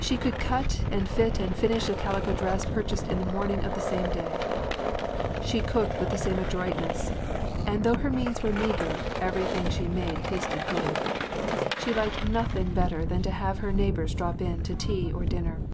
She could cut and fit and finish the calico dress purchased in the morning of the same day. She cooked with the same adroitness, and though her means were meagre everything she made tasted good. She liked nothing better than to have her neighbors drop in to tea or dinner.